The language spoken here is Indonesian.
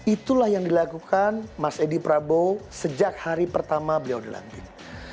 itulah yang dilakukan mas edi prabowo sejak hari pertama beliau dilantik